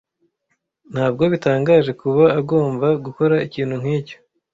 Ntabwo bitangaje kuba agomba gukora ikintu nkicyo.